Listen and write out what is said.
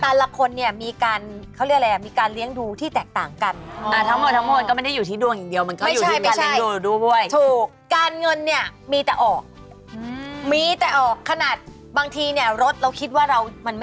ตลาดละคนเนี่ยมีการมีการเลี้ยงดูที่แตกต่างกัน